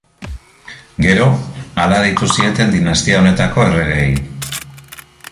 Gero hala deitu zieten dinastia honetako erregeei.